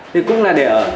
thì cũng là để ở